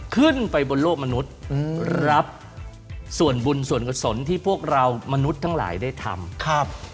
ขึ้นไปบนโลกมนุษย์รับส่วนบุญส่วนกษลที่พวกเรามนุษย์ทั้งหลายได้ทำครับ